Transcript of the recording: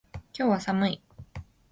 今日は寒い